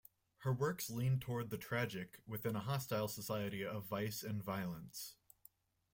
Her works lean toward the tragic, within a hostile society of vice and violence.